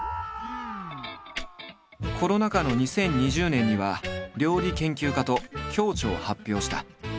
コロナ禍の２０２０年には料理研究家と共著を発表した。